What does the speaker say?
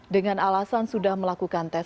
dengan alasan sudah melakukan tes